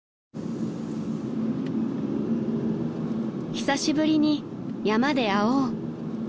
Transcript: ［久しぶりに山で会おう］